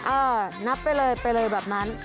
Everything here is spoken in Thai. เออนับไปเลยแบบนั้น